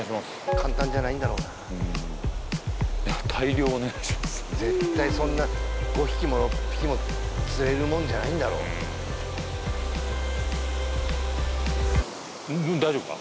簡単じゃないんだろうな絶対そんな５匹も６匹も釣れるもんじゃないんだろう大丈夫か？